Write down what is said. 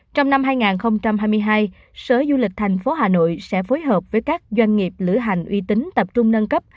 trong năm hai nghìn hai mươi hai sở du lịch thành phố hà nội sẽ phối hợp với các doanh nghiệp lửa hành uy tín tập trung nâng cấp